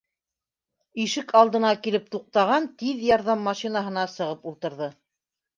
Ишек алдына килеп туҡтаған «Тиҙ ярҙам» машинаһына сығып ултырҙы.